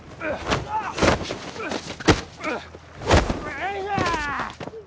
よいしょー！